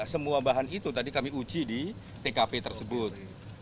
semua bahan itu tadi kami uji di tkp tersebut